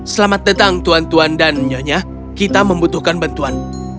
selamat datang tuan tuan dan nyonya kita membutuhkan bantuan